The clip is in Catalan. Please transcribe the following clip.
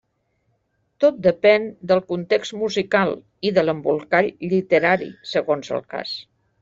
Tot depèn del context musical, i de l'embolcall literari, segons el cas.